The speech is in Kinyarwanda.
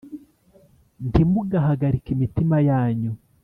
"ntimuhagarike imitima yanyu,